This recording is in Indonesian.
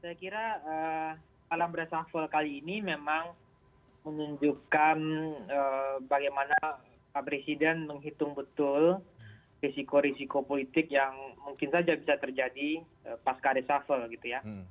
saya kira alam reshuffle kali ini memang menunjukkan bagaimana pak presiden menghitung betul risiko risiko politik yang mungkin saja bisa terjadi pasca reshuffle gitu ya